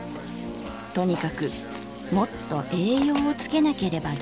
とにかくもっと栄養をつけなければだめ。